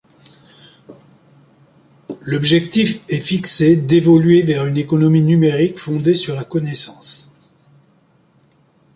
L'objectif est fixé d'évoluer vers une économie numérique fondée sur la connaissance.